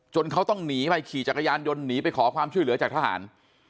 เขาต้องหนีไปขี่จักรยานยนต์หนีไปขอความช่วยเหลือจากทหาร